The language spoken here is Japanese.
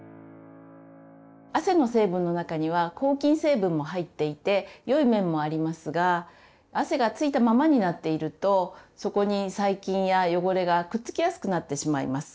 汗の成分の中には抗菌成分も入っていてよい面もありますが汗が付いたままになっているとそこに細菌や汚れがくっつきやすくなってしまいます。